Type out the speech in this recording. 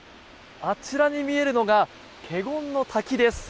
あちらに見えるのが華厳ノ滝です。